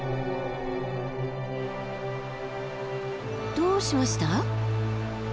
どうしました？